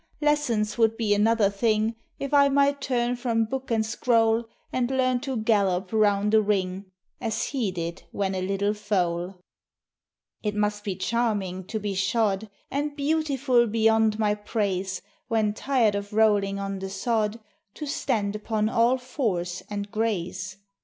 Lessons would be another thing If I might turn from book and scroll, And learn to gallop round a ring, As he did when a little foal. It must be charming to be shod, And beautiful beyond my praise, When tired of rolling on the sod, To stand upon all fours and graze!